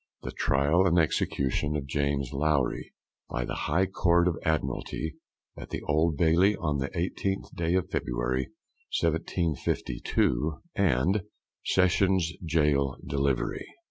THE TRIAL & EXECUTION OF JAMES LOWRY, By the High Court of Admiralty, at the Old Bailey, on the 18th day of February, 1752, and the SESSIONS GAOL DELIVERY.